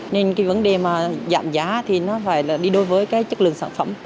nên vấn đề giảm giá thì phải đi đối với chất lượng sản phẩm